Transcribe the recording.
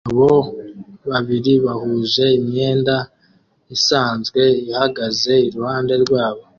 Abagabo babiri bahuje imyenda isanzwe ihagaze iruhande rwabo